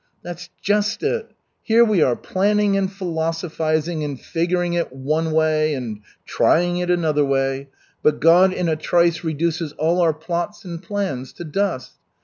"That's just it. Here we are planning and philosophizing, and figuring it one way, and trying it another way, but God in a trice reduces all our plots and plans to dust.